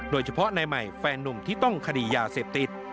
โดยเฉพาะนายใหม่แฟนนุ่มที่ต้องคดียาเสพติด